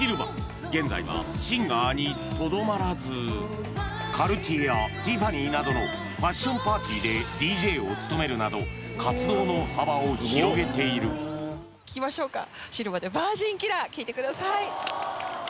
現在はシンガーにとどまらずカルティエやティファニーなどのファッションパーティーでＤＪを務めるなど活動の幅を広げているいきましょうか聴いてください